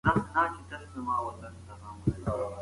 د دې خبر لپاره پوهه او تحلیلي فکر اړین دی.